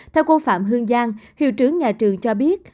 theo cô phạm hương giang hiệu trưởng nhà trường cho biết